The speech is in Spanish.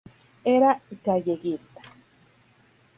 Era galleguista.